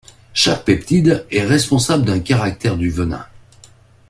Chaque peptide est responsable d'un caractère du venin.